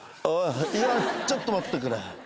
おぉいやちょっと待ってくれ。